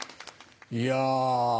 いや。